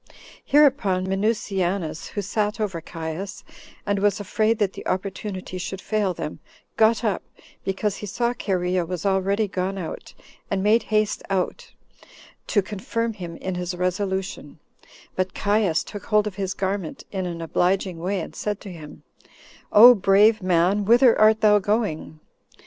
Hereupon Minucianus, who sat over Caius, and was afraid that the opportunity should fail them, got up, because he saw Cherea was already gone out, and made haste out, to confirm him in his resolution; but Caius took hold of his garment, in an obliging way, and said to him, "O brave man! whither art thou going?"